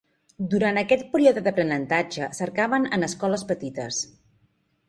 Durant aquest període d'aprenentatge, cercaven en escoles petites.